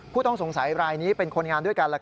ผู้ต้องสงสัยรายนี้เป็นคนงานด้วยกัน